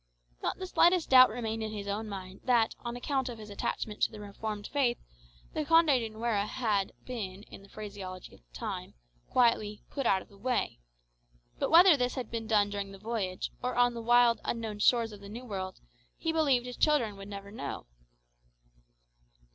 Not the slightest doubt remained on his own mind that, on account of his attachment to the Reformed faith, the Conde de Nuera had been, in the phraseology of the time, quietly "put out of the way." But whether this had been done during the voyage, or on the wild unknown shores of the New World, he believed his children would never know.